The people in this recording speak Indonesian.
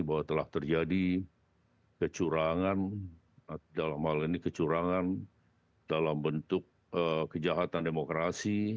bahwa telah terjadi kecurangan dalam hal ini kecurangan dalam bentuk kejahatan demokrasi